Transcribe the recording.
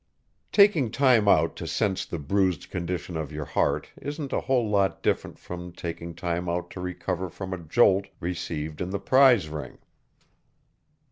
Taking time out to sense the bruised condition of your heart isn't a whole lot different from taking time out to recover from a jolt received in the prize ring.